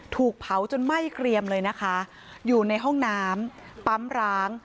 ถูกเผาจนไหม้เกรียมเลยนะคะอยู่ในห้องน้ำปั๊มร้าง